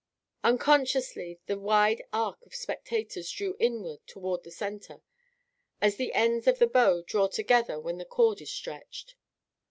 Unconsciously the wide arc of spectators drew inward toward the centre, as the ends of the bow draw together when the cord is stretched.